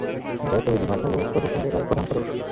জয়পুর বিভাগ হলো উত্তর পশ্চিম রেলওয়ের প্রধান সদর।